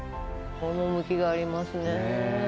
趣がありますね。ね。